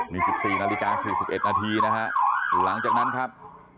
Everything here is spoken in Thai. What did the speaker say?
นี่๑๔นาฬิกา๔๑นาทีนะฮะหลังจากนั้นครับ